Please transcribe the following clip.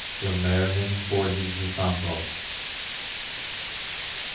ILMARINEN FORGES THE SAMPO.